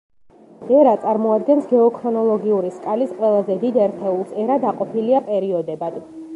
ერა წარმოადგენს გეოქრონოლოგიური სკალის ყველაზე დიდ ერთეულს, ერა დაყოფილია პერიოდებად.